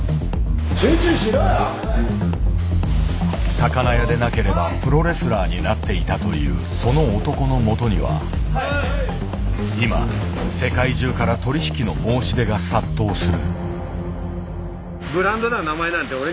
魚屋でなければプロレスラーになっていたというその男のもとには今世界中から取り引きの申し出が殺到する。